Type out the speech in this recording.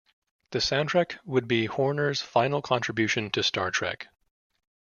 The soundtrack would be Horner's final contribution to Star Trek.